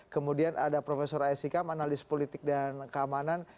kemudian ada prof aisyikam analis politik dan keamanan